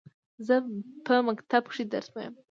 زه په مکتب کښي درس وايم.